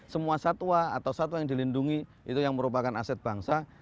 semua satwa atau satwa yang dilindungi itu yang merupakan aset bangsa